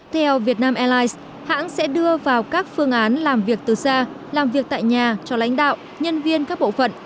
theo vietnam airlines hãng sẽ đưa vào các phương án làm việc từ xa làm việc tại nhà cho lãnh đạo nhân viên các bộ phận